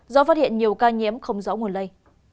do phát hiện nhiều ca nhiễm không rõ nguồn lây